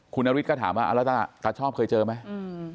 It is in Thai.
คุณอริฐก็ถามว่าอะละตะตะชอบเคยเจอไหมอืม